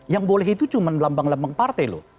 yang boleh itu cuma lambang lambang partai loh